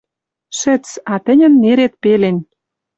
Шӹц, а тӹньӹн нерет пелен